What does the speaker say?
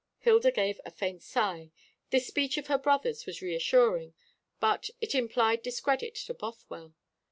Hilda gave a faint sigh. This speech of her brother's was reassuring, but it implied discredit to Bothwell.